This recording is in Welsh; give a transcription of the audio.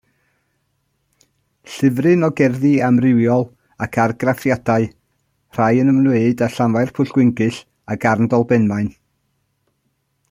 Llyfryn o gerddi amrywiol ac argraffiadau, rhai yn ymwneud â Llanfairpwllgwyngyll a Garndolbenmaen.